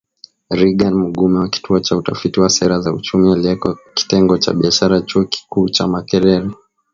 Reagan Mugume wa Kituo cha Utafiti wa Sera za Uchumi aliyeko Kitengo cha Biashara Chuo Kikuu cha Makerere